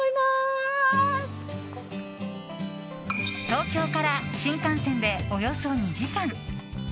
東京から新幹線でおよそ２時間。